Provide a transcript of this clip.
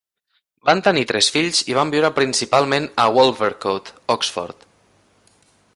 Van tenir tres fills i van viure principalment a Wolvercote, Oxford.